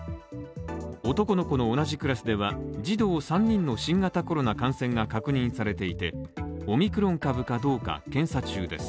男の子の同じクラスでは児童３人の新型コロナ感染が確認されていて、オミクロン株かどうか検査中です。